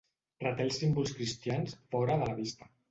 Reté els símbols cristians fora de la vista.